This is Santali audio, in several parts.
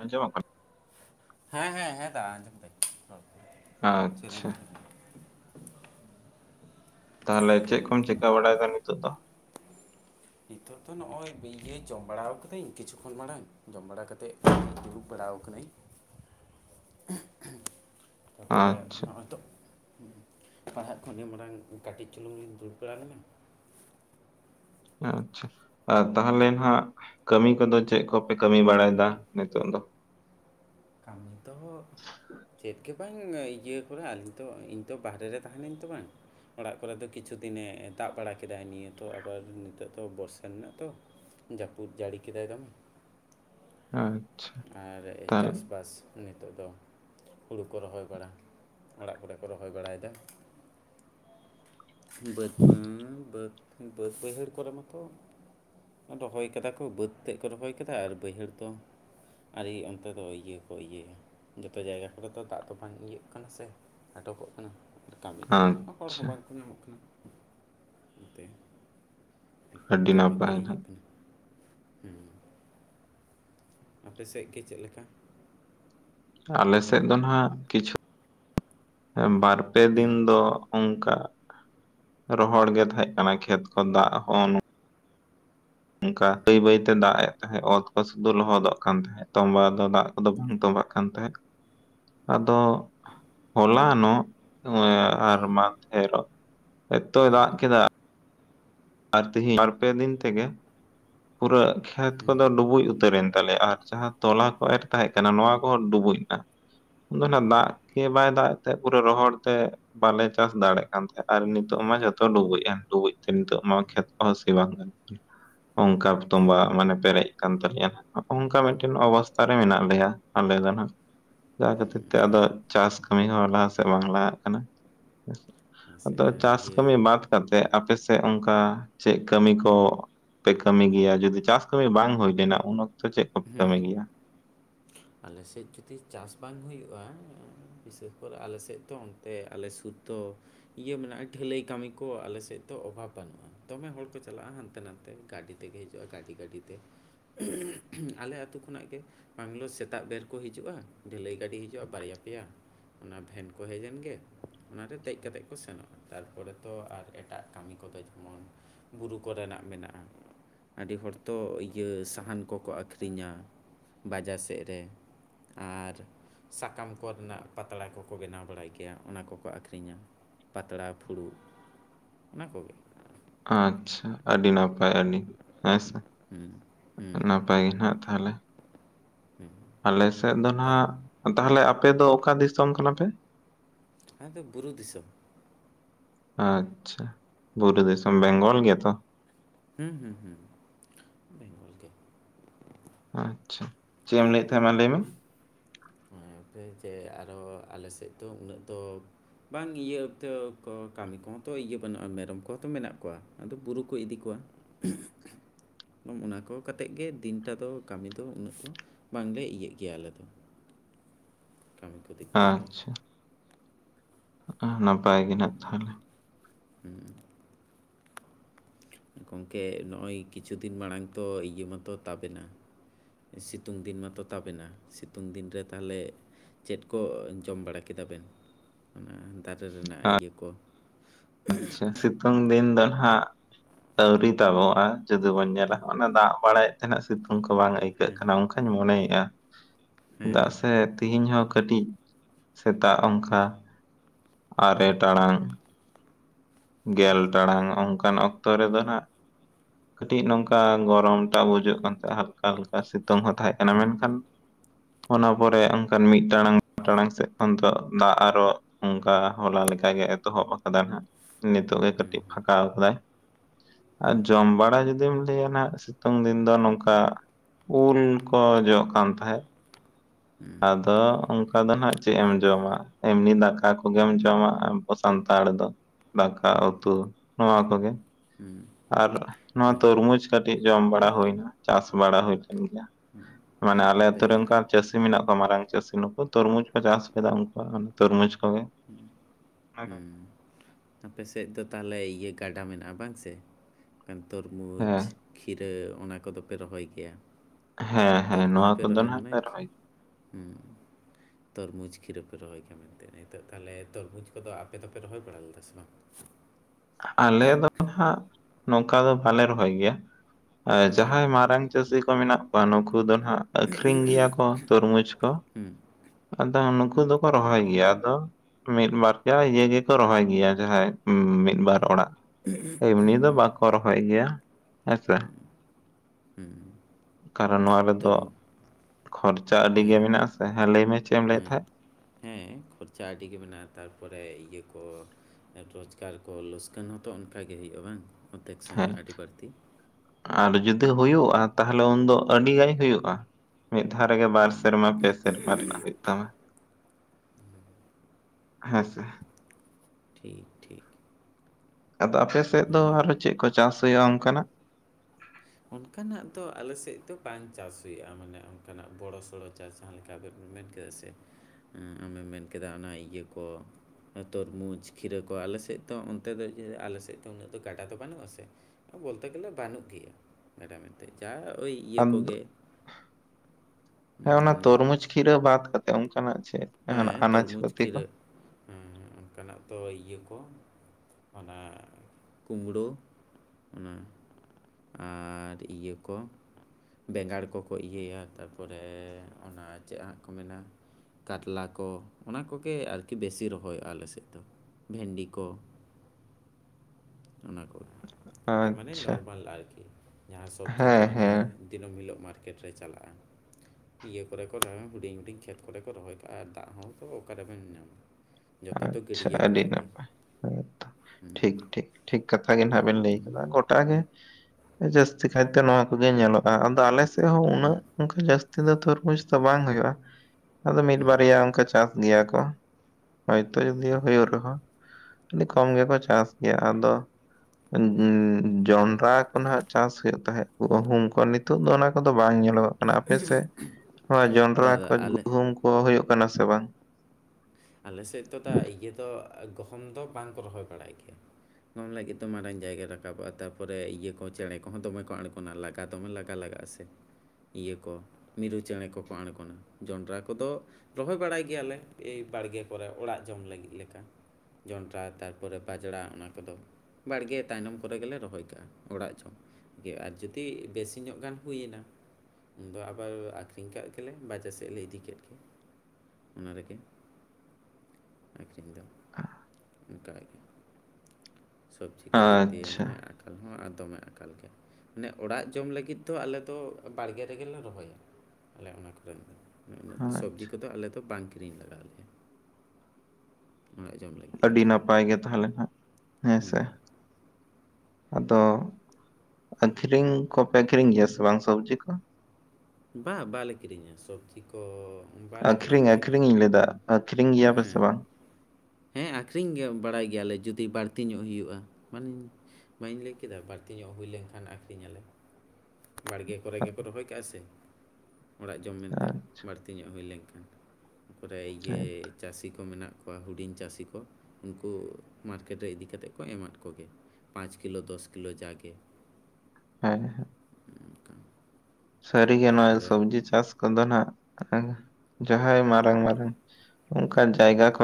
ᱟᱡᱚᱢᱚᱜ ᱠᱟᱱ ᱦᱮᱸ ᱦᱮᱸ ᱦᱮᱸ ᱫᱟ ᱟᱸᱡᱚᱢ ᱫᱟᱹᱧ [unintelligible] ᱪᱮᱫ ᱮᱢ ᱟᱪᱪᱷᱟ ᱢᱮᱛᱟᱫᱤᱧᱟ ᱛᱟᱦᱟᱞᱮ ᱪᱮᱜ ᱠᱚᱢ ᱪᱤᱠᱟᱹ ᱵᱟᱲᱟᱭᱫᱟ ᱱᱤᱛᱚᱜ ᱫᱚ? ᱱᱤᱛᱚᱜ ᱫᱚ ᱱᱚᱜᱼᱚᱭ [unintelligible] ᱤᱭᱟᱹ ᱡᱚᱢ ᱵᱟᱲᱟᱣ ᱠᱟᱫᱟᱹᱧ ᱠᱤᱪᱷᱩ ᱠᱷᱚᱱ ᱢᱟᱲᱟᱝ ᱡᱚᱢ ᱵᱟᱲᱟ ᱠᱟᱛᱮᱜ ᱫᱩᱲᱩᱵ ᱵᱟᱲᱟᱣ ᱠᱟᱹᱱᱟᱹᱧ ᱛᱟᱯᱚᱨᱮ ᱟᱪᱪᱷᱟ ᱱᱚᱜᱼᱚᱭ ᱛᱚᱜ ᱯᱟᱲᱦᱟᱜ ᱠᱷᱚᱱ ᱜᱮ ᱢᱟᱨᱟᱝ ᱠᱟᱹᱴᱤᱡ ᱪᱩᱞᱩᱝ ᱞᱤᱧ ᱫᱩᱲᱩᱵ ᱵᱟᱲᱟ ᱞᱮ ᱱᱟ ᱟᱪᱪᱷᱟ ᱟᱨ ᱛᱟᱦᱟᱞᱮ ᱱᱟᱜ ᱠᱟᱹᱢᱤ ᱠᱚᱫᱚ ᱪᱮᱜ ᱠᱚᱯᱮ ᱠᱟᱹᱢᱤ ᱵᱟᱲᱟᱭᱫᱟ ᱱᱤᱛᱚᱜ ᱫᱚ? ᱠᱟᱹᱢᱤ ᱫᱚᱻ ᱪᱮᱫ ᱜᱮ ᱵᱟᱝ ᱤᱭᱟᱹ ᱠᱚᱨᱮ ᱟᱞᱤᱧ ᱛᱚ ᱤᱧ ᱛᱚ ᱵᱟᱦᱟᱨᱮ ᱨᱮ ᱛᱟᱦᱮᱱᱟᱹᱧ ᱛᱚ ᱵᱟᱝ ᱚᱲᱟᱜ ᱠᱚᱨᱮ ᱫᱚ ᱠᱤᱪᱷᱩ ᱫᱤᱱᱮ ᱫᱟᱜ ᱵᱟᱲᱟ ᱠᱮᱫᱟ ᱱᱤᱭᱟᱹ ᱛᱚ ᱟᱵᱟᱨ ᱱᱤᱛᱚᱜ ᱫᱚ ᱵᱚᱨᱥᱟ ᱨᱮᱱᱟᱜ ᱛᱚ ᱡᱟᱹᱯᱩᱫ ᱡᱟᱹᱲᱤ ᱠᱮᱫᱟᱭ ᱫᱚᱢᱮ ᱟᱪᱪᱷᱟ ᱛᱟᱞ ᱟᱥ ᱱᱤᱛᱚᱜ ᱫᱚ ᱦᱳᱲᱳ ᱠᱚ ᱨᱚᱦᱚᱭ ᱵᱟᱲᱟ ᱚᱲᱟᱜ ᱠᱚᱨᱮ ᱠᱚ ᱨᱚᱦᱚᱭ ᱵᱟᱲᱟᱭᱫᱟ ᱵᱟᱹᱫᱽ [unintelligible] ᱵᱟᱹᱫᱽ ᱵᱟᱹᱫ ᱵᱟᱹᱭᱦᱟᱹᱲ ᱠᱚᱨᱮ ᱢᱟᱛᱚ ᱨᱚᱦᱚᱭ ᱠᱟᱫᱟ ᱠᱚ ᱵᱟᱹᱫᱽ ᱛᱮᱜ ᱠᱚ ᱨᱚᱦᱚᱭ ᱠᱟᱫᱟ ᱟᱨ ᱵᱟᱹᱭᱦᱟᱹᱲ ᱛᱚ ᱟᱹᱨᱤᱜᱼᱟ ᱛᱮᱫᱚ ᱤᱭᱟᱹ ᱠᱚ ᱤᱭᱟᱹᱭᱟ ᱡᱚᱛᱚ ᱡᱟᱭᱜᱟ ᱠᱚᱨᱮ ᱫᱚ ᱫᱟᱜ ᱫᱚ ᱵᱟᱝ ᱤᱭᱟᱹᱜ ᱠᱟᱱᱟ ᱥᱮ ᱟᱴᱚᱠᱚᱜ ᱠᱟᱱᱟ ᱠᱟᱹᱢᱤ ᱠᱚᱨᱮᱱᱟ ᱟᱨ ᱦᱚᱲ ᱦᱚᱸ ᱟᱪᱪᱷᱟ ᱵᱟᱝᱠᱚ ᱱᱟᱢᱚᱜ ᱠᱟᱱᱟ ᱱᱚᱛᱮᱦᱚ ᱟᱹᱰᱤ ᱫᱚᱢᱮ ᱜᱮ ᱱᱟᱯᱟᱭ ᱤᱭᱟᱹᱜ ᱱᱟᱦᱟᱜ ᱠᱟᱱᱟ ᱦᱩᱸ ᱟᱯᱮ ᱥᱮᱜ ᱜᱮ ᱪᱮᱜ ᱞᱮᱠᱟ? ᱟᱞᱮᱥᱮᱜ ᱫᱚ ᱱᱟᱜ ᱠᱤᱪᱷᱩ ᱵᱟᱨᱯᱮ ᱦᱮᱸ ᱫᱤᱱ ᱫᱚ ᱚᱝᱠᱟ ᱨᱚᱦᱚᱲ ᱜᱮ ᱛᱟᱦᱮᱸᱜ ᱠᱟᱱᱟ ᱠᱷᱮᱛ ᱠᱚ ᱫᱟᱜ ᱦᱚᱸ ᱚᱝᱠᱟ ᱵᱟᱹᱭ ᱵᱟᱹᱭ ᱛᱮ ᱫᱟᱜ ᱮᱜ ᱛᱟᱦᱮᱸᱜ ᱚᱛ ᱠᱚ ᱥᱩᱫᱟᱹᱣ ᱞᱚᱦᱚᱫᱚᱜ ᱠᱟᱱ ᱛᱟᱦᱮᱸᱜ ᱛᱚᱢᱵᱟ ᱫᱚ ᱫᱟᱜ ᱠᱚᱫᱚ ᱵᱟᱝ ᱛᱚᱢᱵᱟᱜ ᱠᱟᱱ ᱛᱟᱦᱮᱸᱜ ᱟᱫᱚ ᱦᱚᱞᱟᱱᱚᱜ [inaudible] ᱟᱨ ᱦᱮᱸ ᱢᱟᱫᱷᱮᱨᱚᱜ ᱮᱛᱚᱭ ᱦᱮᱸ ᱫᱟᱜ ᱠᱮᱫᱟ ᱟᱨ ᱛᱮᱦᱤᱧ ᱵᱟᱨᱯᱮ ᱫᱤᱱ ᱛᱮᱜᱮ ᱯᱩᱨᱟᱹ ᱠᱷᱮᱛ ᱠᱚᱫᱚ ᱰᱩᱵᱩᱡ ᱩᱛᱟᱹᱨᱮᱱ ᱛᱟᱞᱮ ᱟᱨ ᱡᱟᱦᱟᱸ ᱛᱚᱞᱟ ᱠᱚ ᱮᱨ ᱛᱟᱦᱮᱸᱜ ᱠᱟᱱᱟ ᱱᱚᱣᱟ ᱠᱚᱦᱚᱸ ᱰᱩᱵᱩᱡᱽ ᱱᱟ ᱩᱱᱫᱚ ᱱᱟᱜ ᱫᱟᱜ ᱜᱮ ᱵᱟᱭ ᱫᱟᱜ ᱮ ᱛᱮ ᱯᱩᱨᱮ ᱨᱚᱦᱚᱲ ᱛᱮ ᱵᱟᱞᱮ ᱪᱟᱥ ᱫᱟᱲᱮᱭᱮᱜ ᱠᱟᱱᱛᱟᱦᱮᱱ ᱟᱨ ᱱᱤᱛᱚᱜ ᱢᱟ ᱡᱚᱛᱚ ᱰᱩᱵᱩᱡ ᱰᱩᱵᱩᱡᱽ ᱛᱮ ᱱᱤᱛᱚᱜ ᱢᱟ ᱠᱷᱮᱛ ᱠᱚ ᱦᱚ ᱥᱤ ᱵᱟᱝ ᱜᱟᱱᱚᱜ ᱠᱟᱱᱟ ᱚᱝᱠᱟ ᱛᱚᱢᱵᱟ ᱢᱟᱱᱮ ᱯᱮᱨᱮᱡ ᱠᱟᱱ ᱛᱟᱞᱮᱭᱟ ᱚᱝᱠᱟ ᱢᱤᱫᱴᱮᱱ ᱚᱵᱚᱥᱛᱟ ᱨᱮ ᱢᱮᱱᱟᱜ ᱞᱮᱭᱟ ᱟᱞᱮ ᱫᱚ ᱱᱟᱸᱜ ᱡᱟᱦᱟᱸ ᱠᱷᱟᱹᱛᱤᱨ ᱛᱮ ᱟᱫᱚ ᱟᱨ ᱪᱟᱥ ᱠᱟᱹᱢᱤ ᱦᱚᱸ ᱞᱟᱦᱟ ᱥᱮᱫ ᱵᱟᱝ ᱞᱟᱦᱟᱜ ᱠᱟᱱᱟ ᱱᱟᱥᱮ ᱟᱫᱚ ᱟᱨ ᱪᱟᱥ ᱤᱭᱟᱹ ᱠᱟᱹᱢᱤ ᱵᱟᱫ ᱠᱟᱛᱮᱜ ᱦᱮᱸ ᱟᱯᱮ ᱥᱮᱜ ᱚᱝᱠᱟ ᱪᱮᱜ ᱠᱟᱹᱢᱤ ᱠᱚ ᱯᱮ ᱠᱟᱹᱢᱤ ᱜᱤᱭᱟ ᱡᱩᱫᱤ ᱪᱟᱥ ᱠᱟᱹᱢᱤ ᱵᱟᱝ ᱦᱳᱭ ᱞᱮᱱᱟ ᱩᱱ ᱚᱠᱛᱚ ᱪᱮᱫ ᱠᱚᱯᱮ ᱠᱟᱹᱢᱤ ᱜᱤᱭᱟ? ᱟᱞᱮᱥᱮᱜ ᱡᱩᱫᱤ ᱪᱟᱥ ᱵᱟᱝ ᱦᱩᱭᱩᱜᱼᱟ ᱵᱤᱥᱮᱥ ᱠᱚᱨᱮ ᱟᱞᱮᱥᱮᱜ ᱛᱚ ᱚᱱᱛᱮ ᱟᱞᱮ ᱥᱩᱨ ᱛᱚ ᱤᱭᱟᱹ ᱢᱮᱱᱟᱜᱼᱟ ᱰᱷᱟᱹᱞᱟᱹᱭ ᱠᱟᱹᱢᱤ ᱠᱚ ᱟᱞᱮᱥᱮᱜ ᱫᱚ ᱚᱵᱷᱟᱵᱽ ᱵᱟᱹᱱᱩᱜᱼᱟ ᱫᱚᱢᱮ ᱦᱚᱲ ᱠᱚ ᱪᱟᱞᱟᱜᱼᱟ ᱦᱟᱱᱛᱮ ᱱᱟᱛᱮ ᱛᱮ ᱜᱟᱹᱰᱤ ᱛᱮᱜᱮ ᱦᱤᱡᱩᱜᱼᱟ ᱜᱟᱹᱰᱤ ᱜᱟᱹᱰᱤ ᱛᱮ ᱟᱞᱮ ᱟᱹᱛᱩ ᱠᱷᱚᱱᱟᱜ ᱜᱮ ᱵᱟᱝᱞᱳ ᱥᱮᱛ ᱥᱮᱛᱟᱜ ᱵᱮᱨ ᱠᱚ ᱦᱤᱡᱩᱜᱼᱟ ᱰᱷᱟᱹᱞᱟᱹᱭ ᱜᱟᱹᱰᱤ ᱦᱤᱡᱩᱜᱼᱟ ᱵᱟᱨᱭᱟ ᱯᱮᱭᱟ ᱚᱱᱟ ᱵᱷᱮᱱ ᱠᱚ ᱦᱮᱡ ᱮᱱ ᱜᱮ ᱚᱱᱟᱨᱮ ᱫᱮᱡ ᱠᱟᱛᱮᱜ ᱠᱚ ᱥᱮᱱᱚᱜᱼᱟ ᱛᱟᱨᱯᱚᱨᱮ ᱛᱚ ᱟᱨ ᱮᱴᱟᱜ ᱠᱟᱹᱢᱤ ᱠᱚᱫᱚ ᱡᱮᱢᱚᱱ ᱵᱩᱨᱩ ᱠᱚᱨᱮᱱᱟᱜ ᱢᱮᱱᱟᱜᱼᱟ ᱟᱹᱰᱤ ᱦᱚᱲ ᱛᱚ ᱤᱭᱟᱹ ᱥᱟᱦᱟᱱ ᱠᱚᱠᱚ ᱟᱹᱠᱷᱨᱤᱧᱟ ᱵᱟᱡᱟᱨ ᱥᱮᱜ ᱛᱮ ᱟᱨ ᱥᱟᱠᱟᱢ ᱠᱚᱨᱮᱱᱟᱜ ᱯᱟᱛᱲᱟ ᱠᱚᱠᱚ ᱵᱮᱱᱟᱣ ᱵᱟᱲᱟᱭ ᱜᱮᱭᱟ ᱚᱱᱟ ᱠᱚᱠᱚ ᱟᱠᱷᱨᱤᱧᱟ ᱯᱟᱛᱲᱟ ᱯᱷᱩᱲᱩᱜ ᱚᱱᱟ ᱠᱚᱜᱮ ᱟᱪᱪᱷᱟ ᱟᱹᱰᱤ ᱱᱟᱯᱟᱭ ᱟᱱᱤᱡ ᱦᱮᱸᱥᱮ ᱦᱮᱸ ᱱᱟᱯᱟᱭ ᱜᱮ ᱱᱟᱜ ᱛᱟᱦᱚᱞᱮ ᱟᱞᱮ ᱥᱮᱫ ᱫᱚ ᱱᱟᱜ ᱛᱟᱦᱚᱞᱮ ᱟᱯᱮ ᱫᱚ ᱚᱠᱟ ᱫᱤᱥᱚᱢ ᱠᱟᱱᱟᱯᱮ? ᱟᱫᱚ ᱵᱩᱨᱩ ᱫᱤᱥᱚᱢ ᱟᱪᱪᱷᱟ ᱵᱩᱨᱩ ᱫᱤᱥᱚᱢ ᱵᱮᱝᱜᱚᱞ ᱜᱮᱛᱚ? ᱦᱩᱸ ᱦᱩᱸ ᱦᱩᱸ ᱵᱮᱝᱜᱚᱞ ᱜᱮ ᱟᱪᱪᱷᱟ ᱪᱮᱫ ᱮᱢ ᱞᱟᱹᱭᱮᱫ ᱛᱟᱦᱮᱸ ᱢᱟ ᱞᱟᱹᱭᱢᱮ᱾ ᱮ ᱡᱮ ᱟᱨᱚ ᱟᱞᱮ ᱥᱮᱫ ᱫᱚ ᱩᱱᱟᱹᱜ ᱫᱚ ᱵᱟᱝ ᱤᱭᱟᱹ ᱚᱠᱛᱮᱚ ᱠᱚ ᱠᱟᱹᱢᱤ ᱠᱚᱦᱚᱸ ᱛᱚ ᱤᱭᱟᱹ ᱵᱟᱹᱱᱩᱜᱼᱟ ᱢᱮᱨᱚᱢ ᱠᱚᱦᱚᱸ ᱛᱚ ᱢᱮᱱᱟᱜ ᱠᱚᱣᱟ ᱟᱫᱚ ᱵᱩᱨᱩ ᱠᱚ ᱤᱫᱤ ᱠᱚᱣᱟ᱾ [unintelligible] ᱚᱱᱟ ᱠᱚ ᱠᱟ ᱠᱟᱛᱮᱫ ᱜᱮ ᱫᱤᱱᱴᱟ ᱫᱚ ᱠᱟᱹᱢᱤ ᱫᱚ ᱩᱱᱟᱹᱜ ᱫᱚ ᱵᱟᱝᱞᱮ ᱤᱭᱟᱹᱜ ᱜᱮᱭᱟ ᱟᱞᱮ ᱫᱚ᱾ ᱠᱟᱹᱢᱤ ᱠᱚ ᱫᱤᱠ ᱫᱤᱭᱮ ᱫᱚ ᱟᱪᱪᱷᱟ ᱱᱟᱯᱟᱭ ᱜᱮ ᱱᱟᱸᱜ ᱛᱟᱦᱚᱞᱮ᱾ ᱦᱩᱸ ᱜᱚᱢᱠᱮ ᱱᱚᱜᱼᱚᱭ ᱠᱤᱪᱷᱩ ᱫᱤᱱ ᱢᱟᱲᱟᱝ ᱛᱚ ᱤᱭᱟᱹ ᱢᱟᱛᱚ ᱛᱟᱵᱮᱱᱟ᱾ ᱥᱤᱛᱩᱝ ᱫᱤᱱ ᱢᱟᱛᱚ ᱛᱟᱵᱮᱱᱟ ᱥᱤᱛᱩᱝ ᱫᱤᱱ ᱨᱮ ᱛᱟᱦᱚᱞᱮ ᱪᱮᱫ ᱠᱚ ᱡᱚᱢ ᱵᱟᱲᱟ ᱠᱮᱫᱟ ᱵᱮᱱ? ᱫᱟᱨᱮ ᱨᱮᱱᱟᱜ ᱤᱭᱟᱹ ᱠᱚ ᱟᱪᱪᱷᱟ ᱥᱤᱛᱩᱝ ᱫᱤᱱ ᱫᱚ ᱦᱟᱸᱜ ᱟᱣᱨᱤ ᱛᱟᱵᱚᱼᱟ ᱡᱩᱫᱤ ᱵᱚᱱ ᱧᱮᱞᱟᱚᱱ ᱫᱟᱜ ᱵᱟᱲᱟᱭ ᱛᱮᱱᱟᱜ ᱥᱤᱛᱩᱝ ᱠᱚ ᱵᱟᱝ ᱟᱹᱭᱠᱟᱹᱜ ᱠᱟᱱᱟ ᱚᱱᱠᱟᱧ ᱢᱚᱱᱮᱭᱮᱫᱼᱟ ᱪᱮᱫᱟᱜ ᱦᱮᱸ ᱥᱮ ᱛᱮᱦᱤᱧ ᱦᱚᱸ ᱠᱟᱹᱴᱤᱡ ᱥᱮᱛᱟᱜ ᱚᱱᱠᱟ ᱟᱨᱮ ᱴᱟᱲᱟᱝ ᱜᱮᱞ ᱴᱟᱲᱟᱝ ᱚᱱᱠᱟᱱ ᱚᱠᱛᱚ ᱚᱠᱛᱚ ᱨᱮᱫᱚ ᱦᱟᱜ ᱠᱟᱹᱴᱤᱡ ᱱᱚᱝᱠᱟ ᱜᱚᱨᱚᱢ ᱴᱟ ᱵᱩᱡᱩᱜ ᱠᱟᱱ ᱛᱟᱦᱮᱸᱼᱟ ᱦᱟᱞᱠᱟ ᱦᱟᱞᱠᱟ ᱥᱤᱛᱩᱝ ᱛᱟᱦᱮᱸ ᱠᱟᱱᱟ ᱦᱩᱸ ᱢᱮᱱᱠᱷᱟᱱ ᱚᱱᱟ ᱯᱚᱨᱮ ᱚᱱᱠᱟᱱ ᱢᱤᱫ ᱴᱟᱲᱟᱝ ᱴᱟᱲᱟᱝ ᱥᱮᱫ ᱠᱷᱚᱱ ᱫᱚ ᱫᱟᱜ ᱟᱨᱚ ᱚᱱᱠᱟ ᱦᱚᱞᱟ ᱞᱮᱠᱟᱜᱮ ᱮᱛᱚᱦᱚᱵ ᱟᱠᱟᱫᱟ ᱦᱟᱜ ᱱᱤᱛᱚᱜ ᱜᱮ ᱦᱩᱸ ᱠᱟᱹᱴᱤᱡ ᱯᱷᱟᱠᱟ ᱟᱠᱟᱫᱟᱭ ᱟᱨ ᱦᱩᱸ ᱦᱩᱸ ᱡᱚᱢ ᱵᱟᱲᱟ ᱡᱩᱫᱤ ᱡᱩᱫᱤᱢ ᱞᱟᱹᱭᱟ ᱱᱟᱦᱟᱜ ᱥᱤᱛᱩᱝ ᱫᱤᱱ ᱫᱚ ᱱᱚᱝᱠᱟ ᱩᱞ ᱠᱚ ᱡᱚᱜ ᱠᱟᱱ ᱛᱟᱦᱮᱸᱫ᱾ ᱟᱫᱚ ᱟᱫᱚ ᱱᱟᱜ ᱪᱮᱫ ᱮᱢ ᱡᱚᱢᱟ ᱮᱢᱱᱤ ᱫᱟᱠᱟ ᱠᱚᱜᱮᱢ ᱡᱚᱢᱟ ᱟᱵᱚ ᱥᱟᱱᱛᱟᱲ ᱫᱚ᱾ ᱫᱟᱠᱟ ᱩᱛᱩ ᱱᱚᱣᱟ ᱠᱚᱜᱮ᱾ ᱟᱨ ᱱᱚᱣᱟ ᱵᱟᱠ- ᱛᱚᱨᱢᱩᱡᱽ ᱠᱟᱹᱴᱤᱡ ᱡᱚᱢ ᱵᱟᱲᱟ ᱦᱩᱭᱱᱟ ᱪᱟᱥ ᱵᱟᱲᱟ ᱦᱩᱭ ᱞᱮᱱ ᱜᱮᱭᱟ᱾ ᱢᱟᱱᱮ ᱟᱞᱮᱭᱟᱜ ᱟᱯᱮ ᱟᱛᱩ ᱨᱮ ᱚᱝᱠᱟ ᱪᱮᱥ ᱪᱟᱹᱥᱤ ᱢᱮᱱᱟᱜ ᱠᱚᱣᱟ ᱢᱟᱨᱟᱝ ᱪᱟᱹᱥᱤ ᱱᱩᱠᱩ ᱛᱚᱨᱢᱩᱡᱽ ᱠᱚ ᱪᱟᱥ ᱠᱮᱫᱟ ᱩᱱᱠᱩᱣᱟᱜ ᱟᱱᱮ ᱛᱚᱨᱢᱩᱡᱽ ᱠᱚᱜᱮ᱾ [unintelligible] ᱟᱯᱮ ᱥᱮᱫ ᱫᱚ ᱛᱟᱦᱚᱞᱮ ᱤᱭᱟᱹ ᱜᱟᱰᱟ ᱢᱮᱱᱟᱜ-ᱟ ᱵᱟᱝ ᱥᱮ? ᱮᱠᱟᱱ ᱛᱩᱨᱢᱩᱡᱽ, ᱦᱮᱸ ᱠᱷᱤᱨᱟᱹ ᱚᱱᱟ ᱠᱚᱫᱚᱯᱮ ᱨᱚᱦᱚᱭ ᱜᱮᱭᱟ ᱦᱮᱸ ᱦᱮᱸ ᱛᱚᱨᱢᱩᱡᱽ ᱱᱚᱣᱟ ᱯᱮ ᱠᱚᱫᱚ ᱨᱚᱦᱚᱭ ᱱᱟᱦᱟᱜ ᱢᱟᱱᱮ ᱞᱮ ᱠᱷ ᱨᱚᱦᱚᱭ ᱜᱮᱭᱟ᱾ ᱦᱮᱸ ᱛᱚᱨᱢᱩᱡᱽ ᱠᱷᱤᱨᱟᱹ ᱯᱮ ᱨᱚᱦᱚᱭ ᱠᱷᱟᱱ ᱢᱮᱱᱛᱮ ᱱᱤᱛᱚᱜ ᱛᱟᱦᱚᱞᱮ ᱛᱚᱨᱢᱩᱡᱽ ᱠᱚᱫᱚ ᱟᱯᱮ ᱫᱚᱯᱮ ᱨᱚᱦᱚᱭ ᱵᱟᱲᱟ ᱞᱮᱫᱟ ᱥᱮ ᱵᱟᱝ? ᱟᱞᱮ ᱫᱚ ᱱᱟᱜ ᱱᱚᱝᱠᱟ ᱫᱚ ᱵᱟᱞᱮ ᱨᱚᱦᱚᱭ ᱜᱮᱭᱟ ᱾ ᱡᱟᱦᱟᱸᱭ ᱢᱟᱨᱟᱝ, ᱪᱟᱹᱥᱤ ᱠᱚ ᱢᱮᱱᱟᱜ ᱠᱚᱣᱟ ᱱᱩᱠᱩ ᱫᱚ ᱦᱟᱸᱜ ᱟᱹᱷᱨᱤᱧ ᱜᱮᱭᱟ ᱠᱚ ᱛᱩᱨᱢᱩᱡᱽ ᱠᱚ᱾ ᱟᱫᱚ ᱱᱩᱠᱩ ᱫᱚᱠᱚ ᱨᱚᱦᱚᱭ ᱜᱮᱭᱟ ᱟᱫᱚ ᱢᱤᱫᱵᱟᱨ ᱡᱟ ᱤᱭᱟᱹ ᱜᱮᱠᱚ ᱨᱚᱦᱚᱭ ᱜᱮᱭᱟ ᱡᱟᱦᱟᱸᱭ ᱢᱤᱫ ᱵᱟᱨ ᱚᱲᱟᱜ ᱮᱢᱱᱤ ᱫᱚ ᱵᱟᱠᱚ ᱨᱚᱦᱚᱭ ᱜᱮᱭᱟ ᱦᱮᱸᱥᱮ ᱦᱮᱸ ᱠᱟᱨᱚᱱ ᱱᱚᱣᱟ ᱨᱮᱫᱚ ᱠᱷᱚᱨᱪᱟ ᱟᱹᱰᱤ ᱜᱮ ᱦᱮᱸ ᱢᱮᱱᱟᱜ-ᱟ ᱥᱮ ᱦᱮᱸ ᱞᱟᱹᱭ ᱢᱮ ᱪᱮᱜ ᱮᱢ ᱞᱟᱹᱭᱮᱜ ᱦᱮᱸ ᱛᱟᱦᱮᱸᱜ? ᱦᱮᱸ ᱠᱷᱚᱨᱪᱟ ᱟᱹᱰᱤ ᱜᱮ ᱢᱮᱱᱟᱜ-ᱟ ᱛᱟᱨᱯᱚᱨᱮ ᱤᱭᱟᱹ ᱠᱚ ᱨᱳᱡᱽᱜᱟᱨ ᱠᱚ ᱞᱚᱥᱠᱟᱹᱱ ᱦᱚᱸᱛᱚ ᱚᱱᱠᱟ ᱜᱮ ᱦᱩᱭᱩᱜ-ᱟ ᱵᱟᱝ ᱯᱚᱨᱛᱠ ᱥᱚᱢᱚᱭ ᱦᱮᱸ ᱟᱰᱤ ᱵᱟᱲᱛᱤ ᱟᱨ ᱡᱩᱫᱤ ᱦᱚᱭᱩᱜ-ᱟ ᱛᱟᱦᱚᱞᱮ ᱩᱱᱫᱚ ᱟᱹᱰᱤ ᱟᱭ ᱦᱩᱭᱩᱜ-ᱟ ᱢᱤᱫ ᱫᱷᱟᱣ ᱨᱮᱜᱮ ᱵᱟᱨᱥ ᱥᱮᱨᱢᱟ ᱯᱮ ᱥᱮᱨᱢᱟ ᱨᱮᱱᱟᱜ ᱦᱩᱭᱩᱜ ᱛᱟᱢᱟ, ᱦᱮᱸ ᱥᱮ᱾ ᱴᱷᱤᱠ ᱴᱷᱤᱠ᱾ ᱟᱫᱚ ᱟᱯᱮ ᱥᱮᱜ ᱦᱮᱸ ᱫᱚ ᱟᱨᱚ ᱪᱮᱜ ᱠᱚ ᱪᱟᱥ ᱦᱩᱭᱩᱜ-ᱟ ᱚᱱᱠᱟ ᱱᱟᱜ? ᱚᱱᱠᱟ ᱱᱟᱜ ᱫᱚ ᱟᱞᱮ ᱥᱮᱜ ᱫᱚ ᱵᱟᱝ ᱪᱟᱥ ᱦᱩᱭᱩᱜ-ᱟ ᱢᱟᱱᱮ ᱚᱱᱠᱟ ᱱᱟᱜ ᱵᱚᱲᱚ ᱥᱚᱲᱚ ᱪᱟᱥ ᱡᱟᱦᱟᱸ ᱞᱮᱠᱟ ᱟᱵᱮᱱ ᱵᱮᱱ ᱢᱮᱱ ᱠᱮᱫᱟ ᱥᱮ ᱩᱢ‌ ᱟᱢᱮᱢ ᱢᱮᱱ ᱠᱮᱫᱟ ᱚᱱᱟ ᱤᱭᱟᱹ ᱠᱚ᱾ ᱦᱮ ᱛᱚᱨᱢᱩᱡᱽ ᱠᱷᱤᱨᱟᱹ ᱠᱚ ᱟᱞᱮ ᱥᱮᱜ ᱫᱚ ᱚᱱᱛᱮ ᱫᱚ ᱡᱮ ᱟᱞᱮ ᱥᱮᱜ ᱫᱚ ᱩᱱᱟᱹᱜ ᱫᱚ ᱜᱟᱰᱟ ᱫᱚ ᱵᱟᱱᱩᱜ-ᱟ ᱥᱮ᱾ ᱵᱚᱞᱛᱮ ᱜᱮᱞᱮ ᱵᱟᱱᱩᱜ ᱜᱮᱭᱟ᱾ ᱢᱮᱲᱟ ᱢᱮᱱᱛᱮ ᱪᱟ ᱳᱭ ᱤᱭᱟᱹ ᱟᱨ ᱠᱚᱜᱮ, ᱦᱮᱸ ᱚᱱᱟ ᱩᱻ ᱛᱚᱨᱢᱩᱡᱽ ᱠᱷᱤᱨᱟᱹ ᱵᱟᱫ ᱠᱟᱛᱮ ᱚᱱᱠᱟᱱᱟᱜ ᱪᱮᱫ ᱡᱟᱦᱟᱱᱟᱜ ᱦᱮᱸ ᱟᱱᱟᱡ ᱛᱚᱨᱢᱩᱡᱽ ᱯᱟᱹᱛᱤ ᱠᱚ? ᱠᱷᱤᱨᱟᱹᱜ ᱦᱮᱸ ᱚᱱᱠᱟᱱᱟᱜ ᱫᱚ ᱤᱭᱟᱹ ᱠᱚ ᱚᱱᱟ ᱠᱩᱢᱲᱳ ᱚᱱᱟ ᱟᱨ ᱤᱭᱟᱹ ᱠᱚ ᱵᱮᱸᱜᱟᱲ ᱠᱚᱠᱚ ᱤᱭᱟᱹ ᱭᱟ ᱛᱟᱨᱯᱚᱨᱮ ᱚᱱᱟ ᱪᱮᱜ ᱦᱟᱸᱜ ᱠᱚ ᱢᱮᱱᱟ ᱠᱟᱨᱞᱟ ᱠᱚ ᱚᱱᱟ ᱠᱚᱜᱮ ᱟᱨᱠᱤ ᱵᱮᱥᱤ ᱨᱚᱦᱚᱭᱚᱜ-ᱟ ᱟᱞᱮ ᱥᱮᱜ ᱫᱚ ᱵᱷᱮᱱᱰᱤ ᱠᱚ᱾ ᱚᱱᱟ ᱠᱚ ᱢᱟᱱᱮ ᱟᱪᱪᱷᱟ ᱱᱚᱨᱢᱟᱞ ᱟᱨᱠᱤ ᱡᱟᱦᱟᱸ ᱥᱚᱵᱽᱡᱤ ᱠᱚ ᱦᱮᱸ ᱦᱟᱱᱮ ᱦᱮᱸ ᱫᱤᱱᱟᱹᱢ ᱦᱤᱞᱳᱜ ᱢᱟᱨᱠᱮᱴ ᱨᱮ ᱪᱟᱞᱟᱜ-ᱟ᱾ ᱤᱭᱟᱹ ᱠᱚᱨᱮ ᱠᱚ ᱨᱮ ᱠᱚ ᱨᱚᱦᱚᱭᱟ ᱦᱩᱰᱤᱧ ᱦᱩᱰᱤᱧ ᱠᱷᱮᱛ ᱠᱚᱨᱮ ᱠᱚ ᱨᱚᱦᱚᱭ ᱠᱟᱜ-ᱟ ᱟᱨ ᱫᱟᱜ ᱦᱚᱸ ᱛᱚ ᱚᱠᱟ ᱨᱮᱵᱮᱱ ᱧᱟᱢᱟ᱾ ᱡᱚᱛᱚ ᱴᱩ ᱟᱪᱪᱷᱟ ᱜᱟᱹᱰᱭᱟᱹ ᱟᱹᱰᱤ ᱠᱷᱚᱱᱟᱜ ᱜᱮ, ᱱᱟᱯᱟᱭ ᱦᱮᱸᱛᱚ᱾ ᱦᱩᱸ᱾ ᱴᱷᱤᱠ ᱴᱷᱤᱠ ᱴᱷᱤᱠ ᱠᱟᱛᱷᱟ ᱜᱮ ᱱᱟᱦᱟᱸᱜ ᱵᱮᱱ ᱞᱟᱹᱭ ᱠᱟᱫᱟ᱾ ᱜᱚᱴᱟ ᱜᱮ ᱡᱟᱹᱥᱛᱤ ᱠᱟᱭᱛᱮ ᱱᱚᱣᱟ ᱠᱚᱜᱮ ᱧᱮᱞᱚᱜ-ᱟ ᱟᱫᱚ ᱟᱞᱮ ᱥᱮᱜ ᱦᱚᱸ ᱩᱱᱟᱹᱜ ᱚᱱᱠᱟ ᱡᱟᱥ ᱱᱚᱛᱮ ᱫᱚ ᱛᱚᱨᱢᱩᱡᱽ ᱫᱚ ᱵᱟᱝ ᱦᱩᱭᱩᱜ-ᱟ ᱟᱫᱚ ᱢᱤᱫ ᱦᱮᱸ ᱵᱟᱨᱭᱟ ᱚᱱᱠᱟ ᱪᱟᱥ ᱜᱮᱭᱟ ᱠᱚ᱾ ᱦᱚᱭᱛᱚ ᱡᱩᱫᱤ ᱦᱩᱭᱩᱜ ᱨᱮᱦᱚᱸ ᱟᱹᱰᱤ ᱠᱚᱢ ᱜᱮᱠᱚ ᱪᱟᱥ ᱜᱮᱭᱟ ᱟᱫᱚ ᱩᱜ ᱩᱻ ᱡᱚᱱᱰᱨᱟ ᱠᱚ ᱱᱟᱦᱟᱸᱜ ᱪᱟᱥ ᱦᱩᱭᱩᱜ ᱛᱟᱦᱮᱸᱜ ᱜᱩᱦᱩᱢ ᱠᱚ ᱱᱤᱛᱩᱜ ᱫᱚ ᱚᱱᱟ ᱠᱚᱫᱚ ᱵᱟᱝ ᱧᱮᱞᱚᱜ ᱠᱟᱱᱟ ᱟᱯᱮ ᱥᱮᱜ ᱱᱚᱣᱟ ᱡᱚᱱᱰᱨᱟ ᱵᱟᱝ ᱠᱚ ᱟᱞᱮ ᱜᱩᱦᱩᱢ ᱠᱚ ᱦᱩᱭᱩᱜ ᱠᱟᱱᱟ ᱥᱮ ᱵᱟᱝ? ᱟᱞᱮ ᱥᱮᱜ ᱫᱚ ᱫᱟ ᱤᱭᱟᱹ ᱫᱚ ᱜᱚᱦᱚᱢ ᱫᱚ ᱵᱟᱝᱠᱚ ᱨᱚᱦᱚᱭ ᱵᱟᱲᱟᱭ ᱜᱮᱭᱟ᱾ ᱜᱩᱦᱩᱢ ᱞᱟᱹᱜᱤᱫ ᱫᱚ ᱢᱟᱨᱟᱝ ᱡᱟᱭᱜᱟ ᱨᱟᱠᱟᱵᱚᱜ-ᱟ ᱛᱟᱯᱚᱨᱮ ᱤᱭᱟᱹ ᱠᱚ ᱪᱮᱬᱮ ᱠᱚᱦᱚᱸ ᱫᱚᱢᱮ ᱠᱚ ᱟᱬᱜᱚ ᱚᱱᱟ ᱞᱟᱜᱟ ᱫᱚᱢᱮ ᱞᱟᱜᱟ ᱞᱟᱜᱟᱜ-ᱟ ᱥᱮ ᱤᱭᱟᱹ ᱠᱚ᱾ ᱢᱤᱨᱩ ᱪᱮᱬᱮ ᱠᱚᱠᱚ ᱟᱬᱜᱚᱱᱟ ᱡᱚᱱᱰᱨᱟ ᱠᱚᱫᱚ ᱨᱚᱦᱚᱭ ᱵᱟᱲᱟᱭ ᱜᱮᱭᱟ ᱞᱮ ᱮᱭᱼᱼ ᱵᱟᱲᱜᱮ ᱠᱚᱨᱮ ᱚᱲᱟᱜ ᱡᱚᱢ ᱞᱟᱹᱜᱤᱫ ᱞᱮᱠᱟ ᱡᱚᱱᱰᱨᱟ ᱛᱟᱨᱯᱚᱨᱮ ᱵᱟᱡᱽᱲᱟ ᱚᱱᱟ ᱠᱚᱫᱚ᱾ ᱵᱟᱲᱜᱮ ᱛᱟᱭᱱᱚᱢ ᱠᱚᱨᱮ ᱜᱮᱞᱮ ᱨᱚᱦᱚᱭ ᱠᱟᱜ-ᱟ ᱚᱲᱟᱜ ᱡᱚᱢᱼᱼ ᱜᱮ ᱟᱨ ᱡᱩᱫᱤ ᱵᱮᱥᱤ ᱧᱚᱜ ᱜᱟᱱ ᱦᱩᱭᱮᱱᱟᱼᱼ ᱩᱱ ᱫᱚ ᱟᱵᱟᱨ ᱟᱠᱷᱨᱤᱧ ᱠᱟᱜ ᱜᱮᱞᱮ ᱵᱟᱡᱟᱨ ᱥᱮᱜ ᱞᱮ ᱤᱫᱤ ᱠᱮᱫ ᱜᱮ, ᱚᱱᱟ ᱨᱮᱜᱮ᱾ ᱟᱹᱠᱷᱨᱤᱧ ᱫᱚ ᱚᱱᱠᱟ ᱜᱮ ᱥᱚᱵᱽᱡᱤ ᱠᱚ ᱫᱤᱠ ᱫᱤᱭᱮ ᱢᱟᱱᱮ ᱟᱪᱪᱷᱟ ᱟᱼᱼ ᱠᱟᱞ ᱦᱚᱸ ᱟᱨ ᱫᱚᱢᱮ ᱟᱠᱟᱞ ᱜᱮ ᱢᱟᱱᱮ ᱚᱲᱟᱜ ᱡᱚᱢ ᱞᱟᱹᱜᱤᱫ ᱫᱚ ᱟᱞᱮ ᱫᱚ ᱵᱟᱲᱜᱮ ᱨᱮᱜᱮ ᱞᱮ ᱨᱚᱦᱚᱭᱟ, ᱟᱞᱮ ᱚᱱᱟ ᱠᱚᱨᱮ ᱫᱚ᱾ ᱚᱸ ᱥᱚᱵᱽᱡᱤ ᱟᱪᱪᱷᱟ ᱠᱚᱫᱚ ᱟᱞᱮ ᱫᱚ ᱵᱟᱝ ᱠᱤᱨᱤᱧ ᱞᱟᱜᱟᱣ ᱞᱮᱭᱟ᱾ ᱚᱲᱟᱜ ᱡᱚᱢ ᱞᱟᱹᱜᱤᱫ ᱟᱹᱰᱤ ᱞᱮᱠᱟ ᱫᱚ ᱱᱟᱯᱟᱭ ᱜᱮ ᱛᱟᱦᱚᱞᱮ ᱦᱟᱸᱜ ᱦᱮᱸ ᱦᱮᱸᱥᱮ᱾ ᱟᱫᱚ ᱟᱹᱠᱷᱨᱤᱧ ᱠᱚᱯᱮ ᱟᱹᱠᱷᱨᱤᱧ ᱜᱮᱭᱟ ᱥᱮ ᱵᱟᱝ ᱥᱚᱵᱽᱡᱤ ᱠᱚ? ᱵᱟ ᱵᱟᱞᱮ ᱠᱤᱨᱤᱧᱟ ᱥᱚᱵᱽᱡᱤ ᱠᱚ ᱵᱟᱞᱮ ᱠᱤᱨᱤᱧ ᱵᱟᱲᱟᱭ ᱜᱮᱭᱟ᱾ ᱞᱟᱹᱭ ᱫᱟ ᱟᱹᱠᱷᱨᱤᱧ ᱜᱮᱭᱟ ᱯᱮ ᱥᱮ ᱦᱮᱸ ᱵᱟᱝ? ᱦᱮᱸ ᱟᱹᱠᱷᱨᱤᱧ ᱜᱮ ᱵᱟᱲᱟᱭ ᱜᱮᱭᱟ ᱞᱮ ᱡᱩᱫᱤ ᱵᱟᱹᱲᱛᱤ ᱧᱚᱜ ᱦᱩᱭᱩᱜ-ᱟ, ᱢᱟᱱᱮᱼᱼ ᱵᱟᱹᱧ ᱞᱟᱹᱭ ᱠᱮᱫᱟ ᱵᱟᱹᱲᱛᱤ ᱧᱚᱜ ᱦᱩᱭ ᱞᱮᱱ ᱠᱷᱟᱱ ᱟᱠᱷᱨᱤᱧ ᱧᱟᱞᱮ᱾ ᱵᱟᱲᱜᱮ ᱠᱚᱨᱮ ᱜᱮᱠᱚ ᱨᱚᱦᱚᱭ ᱠᱟᱜ-ᱟ ᱥᱮ᱾ ᱚᱲᱟᱜ ᱡᱚᱢ ᱟᱪᱪᱷᱟ ᱢᱮᱱᱛᱮ ᱟᱪᱪᱷᱟ, ᱵᱟᱹᱲᱛᱤ ᱧᱚᱜ ᱦᱩᱭ ᱞᱮᱱ ᱠᱷᱟᱱ ᱛᱟᱯᱚᱨᱮ ᱤᱭᱟᱹ ᱦᱮᱸ ᱪᱟᱥᱤ ᱠᱚ ᱢᱮᱱᱟᱜ ᱠᱚᱼᱼ ᱠᱚᱣᱟ ᱦᱩᱰᱤᱧ ᱪᱟᱥᱤ ᱠᱚ ᱩᱱᱠᱩ ᱢᱟᱨᱠᱮᱴ ᱨᱮ ᱤᱫᱤ ᱠᱟᱛᱮᱜ ᱠᱚ ᱮᱢᱟᱫ ᱠᱚᱜᱮ᱾ ᱯᱟᱸᱪ ᱠᱤᱞᱳ ᱫᱚᱥ ᱠᱤᱞᱳ ᱡᱟᱜᱮ᱾ ᱦᱮᱸ ᱦᱮᱸᱜ᱾ ᱦᱩᱸ ᱚᱱᱠᱟ᱾ ᱥᱟᱹᱨᱤ ᱜᱮ ᱱᱚᱣᱟ ᱛᱟᱨᱯᱚᱨᱮ ᱥᱚᱵᱽᱡᱤ ᱪᱟᱥ ᱠᱚᱫᱚ ᱱᱟᱦᱟᱸᱜ ᱟᱸ ᱡᱟᱦᱟᱸᱭ ᱢᱟᱨᱟᱝ ᱢᱟᱨᱟᱝᱼᱼ ᱚᱝᱠᱟ ᱦᱮᱸ ᱡᱟᱭᱜᱟ ᱠᱚᱼᱼ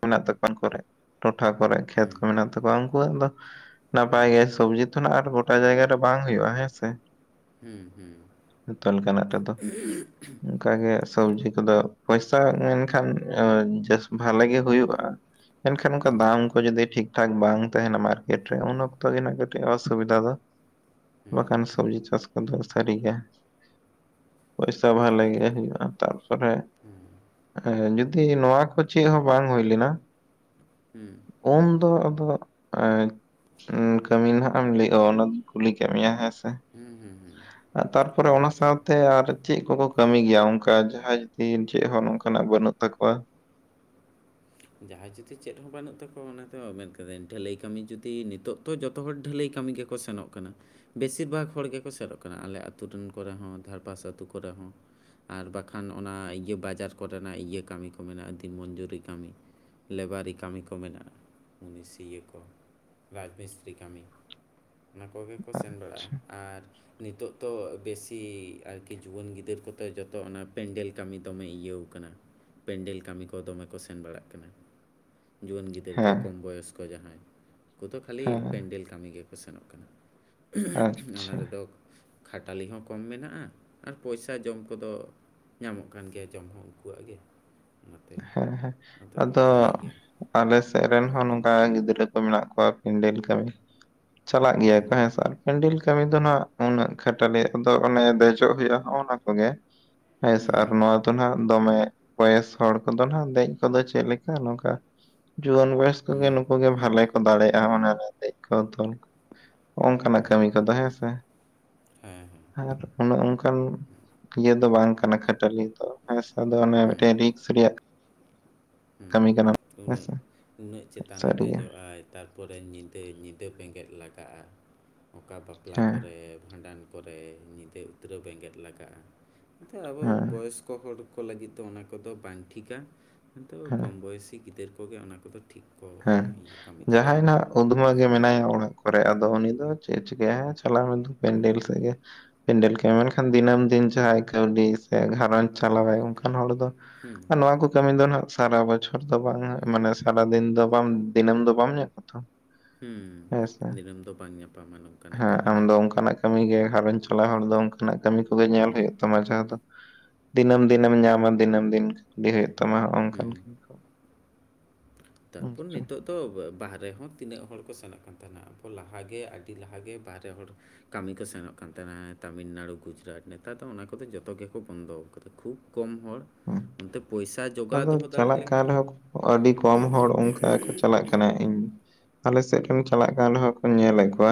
ᱢᱮᱱᱟᱜ ᱛᱟᱠᱚᱣᱟ [inaudible] ᱩᱱ ᱠᱚᱨᱮ ᱴᱚᱴᱷᱟ ᱠᱚᱨᱮ ᱠᱷᱮᱛ ᱠᱚ ᱦᱮᱸ ᱢᱮᱱᱟᱜ ᱛᱟᱠᱚᱣᱟ ᱩᱱᱠᱩᱣᱟᱜ ᱫᱚ ᱱᱟᱯᱟᱭ ᱦᱮᱸ ᱜᱮ ᱥᱚᱵᱽᱡᱤ ᱡᱚᱛᱚᱱᱟᱜ ᱟᱨ ᱜᱚᱴᱟ ᱡᱟᱭᱜᱟ ᱨᱮ ᱵᱟᱝ ᱦᱩᱭᱩᱜᱼᱟ ᱦᱮᱸ ᱥᱮ ᱾ ᱦᱮᱸ ᱦᱮᱸ ᱡᱚᱛᱚ ᱞᱮᱠᱟᱱᱟᱜ ᱛᱮᱫᱚ [inaudible] ᱩᱸ ᱠᱟᱜᱮ ᱥᱚᱵᱽᱡᱤ ᱠᱚᱫᱚ ᱯᱚᱭᱥᱟ ᱢᱮᱱᱠᱷᱟᱱ ᱮᱸ ᱡᱮᱥ ᱵᱷᱟᱞᱮ ᱜᱮ ᱦᱩᱭᱩᱜᱼᱟ ᱾ ᱢᱮᱱᱠᱷᱟᱱ ᱚᱱᱠᱟ ᱦᱮᱸ ᱫᱟᱢ ᱠᱚ ᱡᱩᱫᱤ ᱴᱷᱤᱠ ᱴᱷᱟᱠ ᱵᱟᱝ ᱛᱟᱦᱮᱱᱟ ᱢᱟᱨᱠᱮᱴ ᱨᱮ ᱩᱱ ᱚᱠᱛᱚ ᱜᱮ ᱱᱟᱜ ᱠᱟᱹᱴᱤᱡ ᱚᱥᱩᱵᱤᱫᱷᱟ ᱫᱚ ᱾ ᱦᱮᱸ ᱵᱟᱠᱷᱟᱱ ᱥᱚᱵᱽᱡᱤ ᱪᱟᱥ ᱠᱚᱫᱚ ᱥᱟᱹᱨᱤᱜᱮᱭᱟ ᱯᱚᱭᱥᱟ ᱵᱷᱟᱞᱮ ᱛᱟᱨ ᱜᱮ ᱦᱩᱭᱩᱜᱼᱟ ᱾ ᱛᱟᱨᱯᱚᱨᱮ ᱦᱮᱸ ᱮᱸ ᱡᱚᱫᱤ ᱱᱚᱣᱟ ᱠᱚ ᱪᱮᱫ ᱦᱚᱸ ᱵᱟᱝ ᱦᱩᱭ ᱞᱮᱱᱟ ᱦᱩᱸ ᱩᱱ ᱫᱚ ᱟᱵᱚᱣᱟᱜ ᱮ [inaudible] ᱠᱟᱹᱢᱤ ᱱᱟᱦᱟᱜ ᱮᱢ ᱞᱟᱹᱭᱼᱟ ᱚᱱᱟ [inaudible] ᱫᱚᱧ ᱠᱩᱞᱤ ᱠᱮᱫ ᱢᱮᱭᱟ ᱦᱮᱸᱥᱮ ᱦᱮᱸ ᱦᱮᱸ ᱦᱮᱸ ᱛᱟᱨᱯᱚᱨᱮ ᱚᱱᱟ ᱩᱱᱱᱚᱛᱚ ᱥᱟᱶᱛᱮ ᱟᱨ ᱪᱤᱫ ᱠᱚᱠᱚ ᱠᱟᱹᱢᱤ ᱜᱮᱭᱟ ᱚᱱᱠᱟ ᱡᱟᱦᱟᱸᱭ ᱡᱩᱫᱤ ᱪᱮᱫ ᱦᱚᱸ ᱱᱚᱝᱠᱟᱱᱟᱜ ᱵᱟᱹᱱᱩᱜ ᱛᱟᱠᱚᱣᱟ? ᱡᱟᱦᱟᱸᱭ ᱡᱩᱫᱤ ᱪᱮᱫ ᱦᱚᱸ ᱵᱟᱹᱱᱩᱜ ᱛᱟᱠᱚᱣᱟ ᱚᱱᱟ ᱫᱚ ᱢᱮᱱ ᱠᱟᱹᱫᱟᱹᱧ ᱰᱷᱟᱹᱞᱟᱹᱭ ᱠᱟᱹᱢᱤ ᱡᱩᱫᱤ ᱱᱤᱛᱚᱜ ᱛᱚ ᱡᱚᱛᱚ ᱦᱚᱲ ᱰᱷᱟᱹᱞᱟᱹᱭ ᱠᱟᱹᱢᱤ ᱜᱮᱠᱚ ᱥᱮᱱᱚᱜ ᱠᱟᱱᱟ ᱾ ᱵᱮᱥᱤᱨ ᱵᱷᱟᱜᱽ ᱦᱚᱲ ᱜᱮᱠᱚ ᱪᱟᱞᱚᱜ ᱠᱟᱱᱟ ᱟᱞᱮ ᱟᱹᱛᱩ ᱨᱮᱱ ᱠᱚᱨᱮ ᱦᱚᱸ ᱫᱷᱟᱨᱯᱟᱥ ᱟᱹᱛᱩ ᱠᱚᱨᱮ ᱦᱚᱸ ᱟᱨ ᱵᱟᱠᱷᱟᱱ ᱚᱱᱟ ᱤᱭᱟᱹ ᱵᱟᱡᱟᱨ ᱠᱚᱨᱮᱱᱟᱜ ᱤᱭᱟᱹ ᱠᱟᱹᱢᱤ ᱠᱚ ᱢᱮᱱᱟᱜᱼᱟ ᱫᱤᱱ ᱢᱚᱧᱡᱩᱨᱤ ᱠᱟᱹᱢᱤ ᱞᱮᱵᱟᱨᱤ ᱠᱟᱹᱢᱤ ᱠᱚ ᱢᱮᱱᱟᱜᱼᱟ ᱩᱱᱤ ᱥᱤᱭᱟᱹ ᱠᱚ ᱨᱟᱡᱽ ᱢᱤᱥᱛᱨᱤ ᱠᱟᱹᱢᱤ ᱚᱱᱟ ᱠᱚᱜᱮ ᱠᱚ ᱥᱮᱱ ᱵᱟᱲᱟᱜᱼᱟ ᱟᱪᱪᱷᱟ ᱟᱨ ᱱᱤᱛᱚᱜ ᱫᱚ ᱵᱮᱥᱤ ᱟᱨᱠᱤ ᱡᱩᱣᱟᱹᱱ ᱜᱤᱫᱟᱹᱨ ᱠᱚᱫᱚ ᱡᱚᱛᱚ ᱚᱱᱟ ᱯᱮᱱᱰᱮᱞ ᱠᱟᱹᱢᱤ ᱫᱚᱢᱮ ᱤᱭᱟᱹᱣ ᱠᱟᱱᱟ ᱯᱮᱱᱰᱮᱞ ᱠᱟᱹᱢᱤ ᱠᱚ ᱫᱚᱢᱮ ᱠᱚ ᱥᱮ [inaudible] ᱥᱮᱱ ᱵᱟᱲᱟᱜ ᱠᱟᱱᱟ ᱡᱩᱣᱟᱹᱱ ᱜᱤᱫᱟᱹᱨ ᱠᱚ ᱦᱮᱸ ᱠᱚᱢ ᱵᱚᱭᱚᱥ ᱠᱚ ᱡᱟᱦᱟᱸᱭ ᱾ ᱩᱱᱠᱩᱫᱚ ᱠᱷᱟᱹᱞᱤ ᱦᱮᱸ ᱯᱮᱱᱰᱮᱞ ᱠᱟᱹᱢᱤ ᱜᱮᱠᱚ ᱥᱮᱱᱚᱜ ᱠᱟᱱᱟ [unintelligible] ᱚᱱᱟ ᱟᱪᱪᱷᱟ ᱨᱮᱫᱚ ᱠᱷᱟᱴᱟᱞᱤ ᱦᱚᱸ ᱠᱚᱢ ᱢᱮᱱᱟᱜᱼᱟ ᱟᱨ ᱯᱚᱭᱥᱟ ᱡᱚᱢ ᱠᱚᱫᱚ ᱧᱟᱢᱚᱜ ᱠᱟᱱ ᱜᱮᱭᱟ ᱡᱚᱢ ᱦᱚᱸ ᱩᱱᱠᱩᱣᱟᱜ ᱜᱮ ᱾ ᱦᱮᱸ ᱦᱮᱸ ᱟᱫᱚ ᱤᱭᱟᱹ ᱜᱮᱭᱟ ᱟᱞᱮ ᱥᱮᱫ ᱨᱮᱱ ᱦᱚᱸ ᱱᱚᱝᱠᱟ ᱜᱤᱫᱽᱨᱟᱹ ᱠᱚ ᱢᱮᱱᱟᱜ ᱠᱚᱣᱟ ᱯᱮᱱᱰᱮᱞ ᱠᱟᱹᱢᱤ ᱪᱟᱞᱟᱜ ᱜᱮᱭᱟ ᱠᱚ ᱦᱮᱸᱥ ᱟᱨ ᱠᱮᱱᱰᱮᱞ ᱠᱟᱹᱢᱤ ᱫᱚ ᱱᱟᱜ ᱩᱱᱟᱹᱜ ᱠᱷᱟᱴᱟᱞᱤᱭᱟᱜ ᱫᱚ ᱚᱱᱮ ᱫᱮᱡᱚᱜ ᱦᱩᱭᱩᱜᱼᱟ, ᱚᱱᱟ ᱠᱚᱜᱮ ᱾ ᱦᱮᱥ ᱟᱨ ᱦᱮᱸ ᱱᱚᱣᱟ ᱫᱚ ᱱᱟᱜ ᱫᱚᱢᱮ ᱵᱚᱭᱮᱥ ᱦᱚᱲ ᱠᱚᱫᱚ ᱱᱟᱜ ᱫᱮᱡ ᱠᱚᱫᱚ ᱪᱮᱫ ᱞᱮᱠᱟ, ᱱᱚᱝᱠᱟ ᱡᱩᱣᱟᱹᱱ ᱵᱚᱭᱮᱥ ᱠᱚᱜᱮ ᱦᱮᱸ ᱱᱩᱠᱩᱜ ᱜᱮ ᱵᱷᱟᱞᱮ ᱠᱚ ᱫᱟᱲᱮᱭᱟᱜᱼᱟ, ᱫᱮᱡᱽ ᱠᱚ ᱛᱚᱞ ᱚᱜᱚᱭ ᱱᱚᱝᱠᱟᱱᱟᱜ ᱠᱟᱹᱢᱤ ᱠᱚᱫᱚ ᱦᱮᱸ ᱥᱮ᱾ ᱦᱮᱸ ᱦᱮᱸ ᱟᱨ ᱩᱱᱮ ᱚᱝᱠᱟᱱ ᱤᱭᱟᱹ ᱫᱚ ᱵᱟᱝ ᱠᱟᱱᱟ ᱠᱷᱟᱹᱴᱟᱹᱞᱤ ᱫᱚ᱾ ᱚᱱᱮ ᱦᱮᱸ ᱚᱱᱠᱟ ᱨᱤᱠᱥ ᱨᱮᱭᱟᱜ ᱦᱩᱸ ᱠᱟᱹᱢᱤ ᱦᱩᱸ ᱠᱟᱱᱟ ᱦᱩᱸ ᱩᱱᱟᱹᱜ- ᱦᱮᱸᱥᱮ ᱩᱱᱟᱹᱜ ᱪᱮᱛᱟᱱᱮ ᱥᱟᱹᱨᱤᱜᱮ ᱫᱮᱡᱚᱜᱼᱟᱭ᱾ ᱛᱟᱨᱯᱚᱨᱮ ᱧᱤᱫᱟᱹ, ᱧᱤᱫᱟᱹ ᱵᱮᱸᱜᱮᱫ ᱞᱟᱜᱟᱜᱼᱟ᱾ ᱚᱠᱟ ᱵᱟᱯᱞᱟ ᱦᱮᱸ ᱠᱚᱨᱮ ᱵᱷᱟᱸᱰᱟᱱ ᱠᱚᱨᱮ ᱧᱤᱫᱟᱹ ᱩᱛᱨᱟᱹᱣ ᱵᱮᱸᱜᱮᱫ ᱞᱟᱜᱟᱜᱼᱟ᱾ [inaudible] ᱟᱵᱚ ᱦᱮᱸ ᱵᱚᱭᱚᱥ ᱠᱚ ᱦᱚᱲ ᱠᱚ ᱞᱟᱹᱜᱤᱫ ᱫᱚ ᱚᱱᱟ ᱠᱚᱫᱚ ᱵᱟᱝ ᱴᱷᱤᱠᱟ᱾ ᱠᱤᱱᱛᱩ ᱦᱮᱸ ᱠᱚᱢ ᱵᱚᱭᱮᱥᱤ ᱜᱤᱫᱟᱹᱨ ᱠᱚ ᱠᱚᱜᱮ ᱚᱱᱟ ᱠᱚᱫᱚ ᱴᱷᱤᱠ ᱠᱚ ᱤᱭᱟᱹ ᱠᱟᱹᱢᱤ ᱫᱟᱲᱮᱭᱟᱜᱼᱟ ᱾ ᱩᱫᱽᱢᱟᱹ ᱜᱮ ᱢᱮᱱᱟᱭᱟ᱾ ᱚᱲᱟᱜ ᱠᱚᱨᱮ ᱟᱫᱚ ᱩᱱᱤ ᱫᱚ ᱪᱮᱫ ᱪᱤᱠᱟᱹᱭᱟ ᱪᱟᱞᱟᱣ ᱢᱮ ᱫᱩ ᱯᱮᱱᱰᱮᱞ ᱥᱮᱫ ᱜᱮ᱾ ᱯᱮᱱᱰᱮᱞ ᱠᱟᱹᱴᱤ ᱢᱮᱱᱠᱷᱟᱱ ᱫᱤᱱᱟᱹᱢ ᱫᱤᱱ ᱡᱟᱦᱟᱸᱭ ᱠᱟᱹᱣᱰᱤ ᱥᱮ ᱜᱷᱟᱨᱚᱸᱡᱽ ᱪᱟᱞᱟᱣᱟᱭ ᱚᱱᱠᱟᱱ ᱦᱚᱲ ᱫᱚ ᱦᱮᱸ ᱟᱨ ᱱᱚᱣᱟ ᱠᱚ ᱠᱟᱹᱢᱤ ᱫᱚ ᱱᱟᱜ ᱥᱟᱨᱟ ᱵᱚᱪᱷᱚᱨ ᱫᱚ ᱵᱟᱝ ᱦᱟᱜ ᱢᱟᱱᱮ ᱥᱟᱨᱟ ᱫᱤᱱ ᱫᱚ ᱵᱟᱝ ᱫᱤᱱᱟᱹᱢ ᱫᱚ ᱵᱟᱢ ᱧᱟᱢᱟ ᱟᱛᱚ᱾ ᱫᱤᱱᱟᱹᱢ ᱫᱚ ᱵᱟᱝ ᱧᱟᱯᱟᱢᱟ ᱱᱚᱝᱠᱟᱱᱟᱜ ᱦᱮᱸ ᱠᱟᱹᱢᱤ ᱟᱢ ᱫᱚ ᱾ ᱚᱱᱠᱟᱱᱟᱜ ᱠᱟᱹᱢᱤ ᱜᱮ ᱜᱷᱟᱨᱚᱸᱡᱽ ᱪᱟᱞᱟᱣ ᱦᱚᱲ ᱫᱚ ᱚᱱᱠᱟᱱᱟᱜ ᱠᱟᱹᱢᱤ ᱠᱚᱜᱮ ᱧᱮᱞ ᱦᱩᱭᱩᱜ ᱛᱟᱢᱟ ᱡᱟᱦᱟᱸ ᱫᱚ ᱫᱤᱱᱟᱹᱢ ᱫᱤᱱᱮᱢ ᱧᱟᱢᱟ ᱫᱤᱱᱟᱹᱢ ᱫᱤᱱ ᱜᱮ ᱩᱫᱤ ᱦᱩᱭᱩᱜ ᱛᱟᱢᱟ ᱦᱚᱜᱼᱚ ᱱᱚᱝ ᱴᱠᱟᱱ ᱦᱮᱸ ᱠᱟᱢᱤ ᱠᱚ᱾ ᱦᱮᱸ ᱛᱟᱨᱯᱚᱨ ᱥᱮ ᱱᱤᱛ ᱱᱤᱛᱚᱜ ᱫᱚ ᱵᱟᱦᱨᱮ ᱦᱚᱸ ᱛᱤᱱᱟᱹᱜ ᱦᱚᱲ ᱠᱚ ᱥᱮᱱᱚᱜ ᱠᱟᱱ ᱛᱟᱦᱮᱠᱟᱱᱟ᱾ ᱟᱵᱚ ᱞᱟᱦᱟᱜᱮ ᱟᱹᱰᱤ ᱞᱟᱦᱟᱜᱮ ᱵᱟᱨᱦᱮ ᱦᱚᱲ ᱠᱟᱢᱤ ᱠᱚ ᱥᱮᱱᱚᱜ ᱠᱟᱱ ᱛᱟᱦᱮᱱᱟ ᱛᱟᱹᱢᱤᱞᱱᱟᱲᱩ, ᱜᱩᱡᱽᱨᱟᱴ ᱱᱮᱛᱟᱨ ᱫᱚ ᱚᱱᱟ ᱠᱚᱫᱚ ᱡᱚᱛᱚ ᱜᱮᱠᱚ ᱵᱚᱱᱫᱚᱣ ᱠᱟᱫᱟ ᱠᱷᱩᱵ ᱠᱚᱢ ᱦᱚᱲ, ᱦᱮᱸ ᱚᱱᱛᱮ ᱯᱚᱭᱥᱟ ᱡᱚᱜᱟᱣ ᱟᱫᱚ ᱫᱚᱦᱚ ᱫᱟᱲᱮᱜ ᱪᱟᱞᱟᱜ ᱠᱟᱱ ᱞᱮᱱᱠᱷᱟᱱ᱾ ᱨᱮᱦᱚᱸ ᱠᱚ ᱟᱹᱰᱤ ᱠᱚᱢ ᱦᱚᱲ ᱚᱱᱠᱟ ᱜᱮᱠᱚ ᱪᱟᱞᱟᱜ ᱠᱟᱱᱟ᱾ ᱱᱮ ᱤᱧ ᱟᱞᱮ ᱥᱮᱫ ᱨᱮᱧ ᱪᱟᱞᱟᱜ ᱠᱟᱱ ᱨᱮᱦᱚᱸ ᱠᱚ ᱧᱮᱞᱮᱫ ᱠᱚᱣᱟ᱾